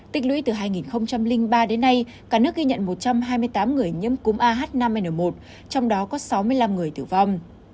tích lũy từ hai nghìn ba đến nay cả nước ghi nhận một trăm hai mươi tám người nhiễm cúm ah năm n một trong đó có sáu mươi năm người tử vong